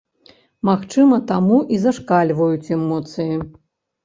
Магчыма таму і зашкальваюць эмоцыі?